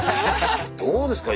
どうですか？